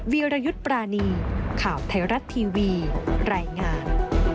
วิรยุทธ์ปรานีข่าวไทยรัฐทีวีรายงาน